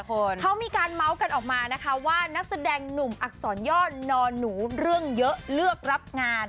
เขามีการเมาส์กันออกมานะคะว่านักแสดงหนุ่มอักษรย่อนอนหนูเรื่องเยอะเลือกรับงาน